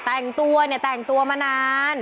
แต่งตัวเนี่ยแต่งตัวมานาน